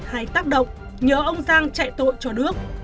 hay tác động nhớ ông giang chạy tội cho đước